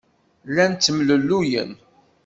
Llan ttemlelluyen.